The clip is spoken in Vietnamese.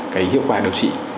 cái hiệu quả điều trị